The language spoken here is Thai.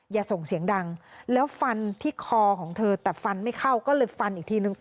อย่าส่งเสียงดังแล้วฟันที่คอของเธอแต่ฟันไม่เข้าก็เลยฟันอีกทีนึง